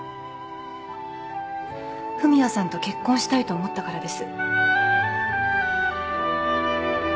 文也さんと結婚したいと思ったからです。